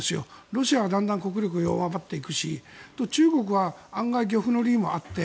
ロシアはだんだん国力が弱まっていくし中国は案外、漁夫の利もあって。